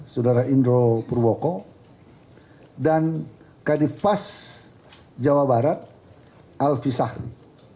saudara indro purwoko dan kadif pas jawa barat alfisahri